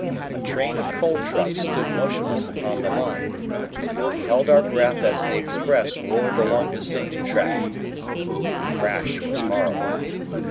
A train of coal trucks stood motionless upon the line. We held our breath as the express roared along the same track. The crash was horrible.